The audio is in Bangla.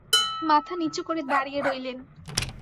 মাথা নিচু করে দাঁড়িয়ে রইলেন।